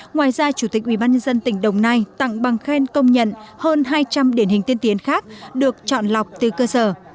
ngoài ra chủ tịch ubnd tỉnh đồng nai tặng bằng khen công nhận hơn hai trăm linh điển hình tiên tiến khác được chọn lọc từ cơ sở